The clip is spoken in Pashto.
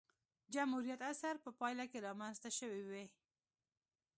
جمهوریت عصر په پایله کې رامنځته شوې وې.